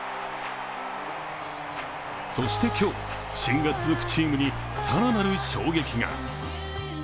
そして今日、不振が続くチームに更なる衝撃が。